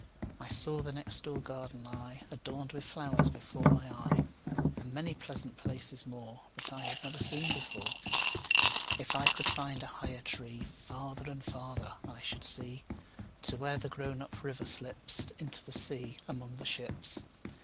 I saw the next door garden lie, Adorned with flowers, before my eye, And many pleasant places moreThat I had never seen before. If I could find a higher treeFarther and farther I should see, To where the grown up river slipsInto the sea among the ships.